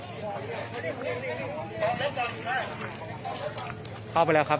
มันก็ไม่ต่างจากที่นี่นะครับ